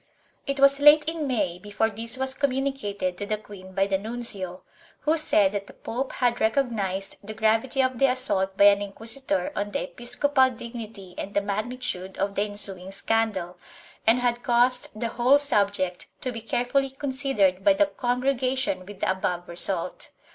It was late in May before this was communicated to the queen by the nuncio, who said that the pope had recognized the gravity of the assault by an inquisitor on the episcopal dignity and the magnitude of the ensuing scandal, and had caused the whole subject to be carefully considered by the Congregation with the above result.